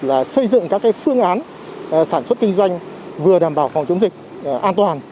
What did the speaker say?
là xây dựng các phương án sản xuất kinh doanh vừa đảm bảo phòng chống dịch an toàn